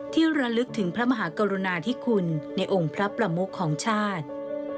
ระลึกถึงพระมหากรุณาธิคุณในองค์พระประมุขของชาติ